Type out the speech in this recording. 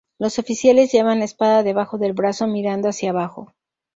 Los oficiales llevan la espada debajo del brazo mirando hacia abajo.